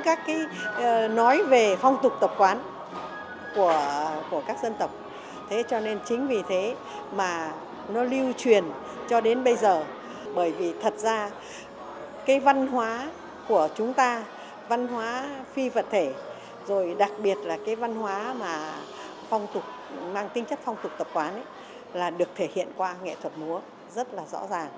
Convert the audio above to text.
cái văn hóa mà mang tinh chất phong tục tập quán là được thể hiện qua nghệ thuật múa rất là rõ ràng